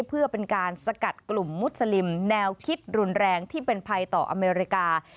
เพื่อเป็นการสกัดกลุ่มมุสลิมแนวคิดรุนแรงที่เป็นภัยต่ออเมริกา